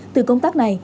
từ công tác này